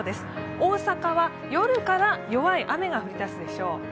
大阪は夜から弱い雨が降り出すでしょう。